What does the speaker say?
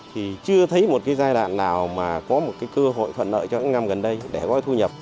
thì chưa thấy một cái giai đoạn nào mà có một cái cơ hội thuận lợi cho những năm gần đây để gói thu nhập